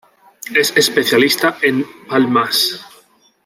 Es especialista en palmas.